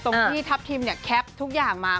ตรงที่ทัพทิมเนี่ยแคปทุกอย่างมา